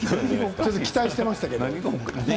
ちょっと期待していますけれども。